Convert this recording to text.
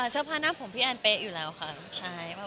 เจ้าผ้าน่าผมพี่แอนต์เป็นอยู่แล้วครับ